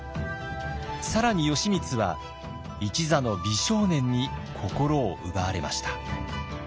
更に義満は一座の美少年に心を奪われました。